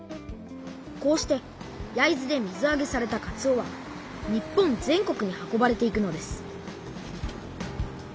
こうして焼津で水あげされたかつおは日本全国に運ばれていくのです